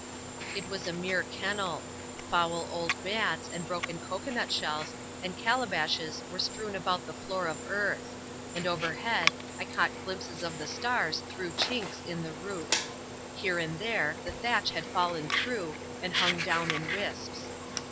It was a mere kenneL Foul old mats, and broken cocoa nut shells, and calabashes were strewn about the floor of earth ; and overhead, I caught glimpses of the stars through chinks in the roof. Here and there, the thatch had fallen through, and hung, down in wisps.